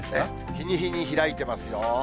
日に日に開いてますよ。